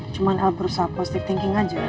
cuma berusaha positive thinking aja